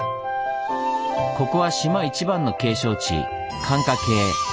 ここは島一番の景勝地寒霞渓。